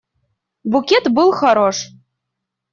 Букет был хорош.